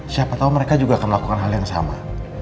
siapa tahu mereka juga akan melakukan hal yang sama